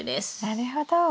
なるほど。